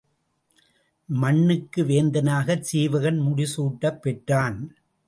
மண்ணுக்கு வேந்தனாகச் சீவகன் முடிசூட்டப் பெற்றான்.